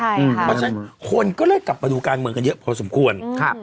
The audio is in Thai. ทุกอย่างหมดแล้วเพราะฉะนั้นคนก็เลยกลับมาดูการเมืองกันเยอะพอสมควร